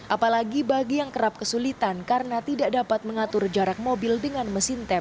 apalagi bagi yang kerap kesulitan karena tidak dapat mengatur jarak mobil dengan mesin tap